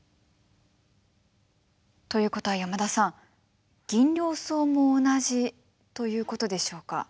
ということは山田さんギンリョウソウも同じということでしょうか？